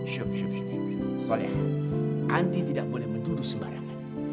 syukur syukur syukur soleyan anti tidak boleh menuduh sembarangan